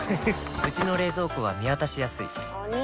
うちの冷蔵庫は見渡しやすいお兄！